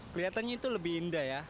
kelihatannya itu lebih indah ya